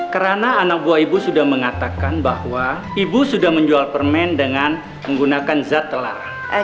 karena anak buah ibu sudah mengatakan bahwa ibu sudah menjual permen dengan menggunakan zat telaran